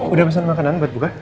udah pesan makanan buat buka